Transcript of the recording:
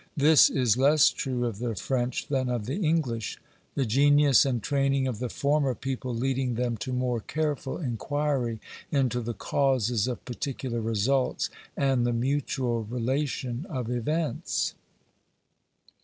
This is less true of the French than of the English; the genius and training of the former people leading them to more careful inquiry into the causes of particular results and the mutual relation of events.